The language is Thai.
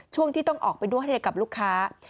ช่วงที่ต้องออกไปนวดให้กับลูกค้า